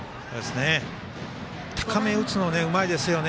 高め打つのうまいですよね